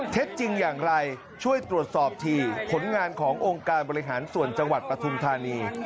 จริงอย่างไรช่วยตรวจสอบทีผลงานขององค์การบริหารส่วนจังหวัดปฐุมธานี